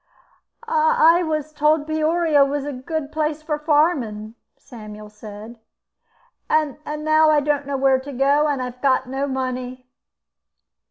"I was told Peoria was a good place for farmin'," Samuel said, "and now I don't know where to go, and I have got no money."